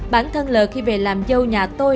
bản thân lời khi về làm dâu nhà tôi